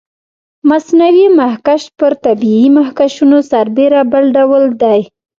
مصنوعي مخکش پر طبیعي مخکشونو سربېره بل ډول دی.